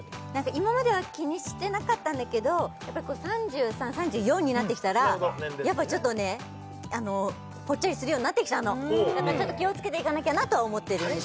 今までは気にしてなかったんだけど３３３４になってきたらやっぱりちょっとねぽっちゃりするようになってきたのちょっと気をつけていかなきゃなとは思ってるんです